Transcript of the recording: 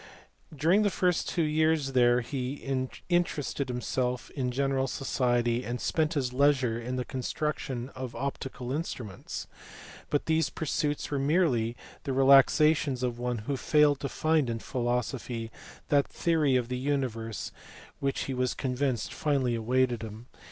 During the first two years there he interested himself in general society and spent his leisure in the construction of optical instruments ; but these pursuits were merely the relaxations of one who failed to find in philosophy that theory of the universe which he was convinced finally awaited him.